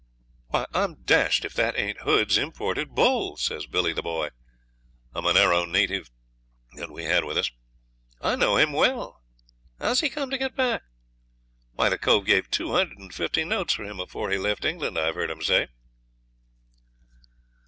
'Why, I'm dashed if that ain't Hood's imported bull,' says Billy the Boy, a Monaro native that we had with us. 'I know him well. How's he come to get back? Why, the cove gave two hundred and fifty notes for him afore he left England, I've heard 'em say.'